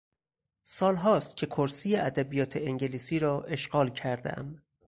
سالهاست که کرسی ادبیات انگلیسی را اشغال کردهام.